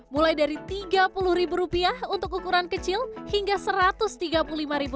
mulai dari tiga puluh ribu rupiah untuk ukuran kecil hingga satu ratus tiga puluh lima ribu